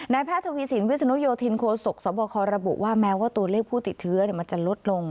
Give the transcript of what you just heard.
แพทย์ทวีสินวิศนุโยธินโคศกสบคระบุว่าแม้ว่าตัวเลขผู้ติดเชื้อมันจะลดลง